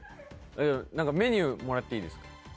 メニューもらっていいですか？